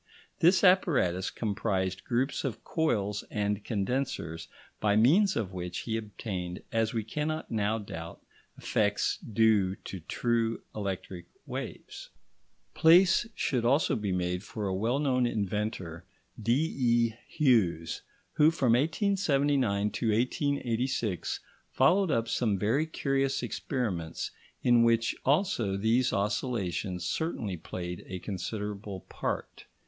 This apparatus comprised groups of coils and condensers by means of which he obtained, as we cannot now doubt, effects due to true electric waves. Place should also be made for a well known inventor, D.E. Hughes, who from 1879 to 1886 followed up some very curious experiments in which also these oscillations certainly played a considerable part.